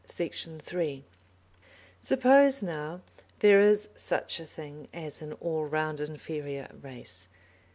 Section 3 Suppose, now, there is such a thing as an all round inferior race.